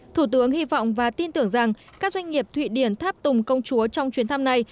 thủ tướng hy vọng và tin tưởng rằng các doanh nghiệp thụy điển tháp tùng công chúa trong chuyến thăm này